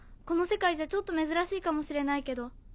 この世界じゃちょっと珍しいかもしれないけど。